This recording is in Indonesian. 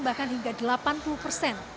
bahkan hingga delapan puluh persen